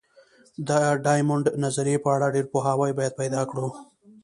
د ډایمونډ نظریې په اړه ډېر پوهاوی باید پیدا کړو.